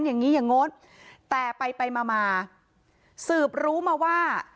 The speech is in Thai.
อย่างงี้อย่างโน้นแต่ไปไปมามาสืบรู้มาว่า